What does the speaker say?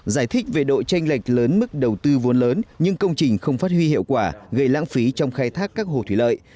giải thích về độ tranh lệch lớn mức đầu tư vốn lớn nhưng công trình không phát huy hiệu quả gây lãng phí trong khai thác các hồ thủy lợi